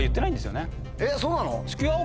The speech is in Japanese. えっそうなの？